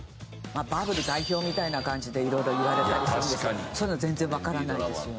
バブル代表みたいな感じで色々言われたりするんですけどそういうの全然わからないですよね？